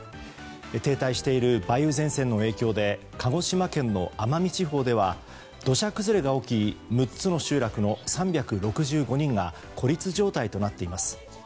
停滞している梅雨前線の影響で鹿児島県の奄美地方では土砂崩れが起き３つの集落の３６５人が孤立状態となっています。